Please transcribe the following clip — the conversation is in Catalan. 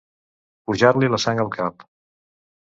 Pujar-li la sang al cap.